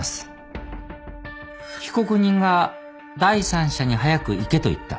被告人が第三者に「早く行け」と言った。